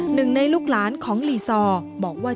หนึ่งในลูกหลานของลีซอร์บอกว่า